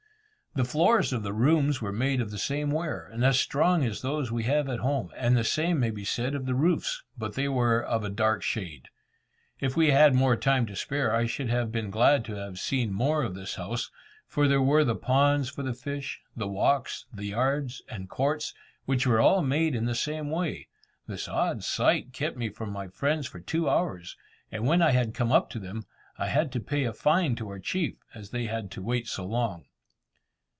The floors of the rooms were made of the same ware, and as strong as those we have at home; and the same may be said of the roofs, but they were of a dark shade. If we had had more time to spare, I should have been glad to have seen more of this house, for there were the ponds for the fish, the walks, the yards, and courts, which were all made in the same way. This odd sight kept me from my friends for two hours, and when I had come up to them, I had to pay a fine to our chief, as they had to wait so long.